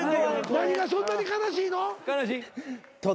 何がそんなに悲しいの？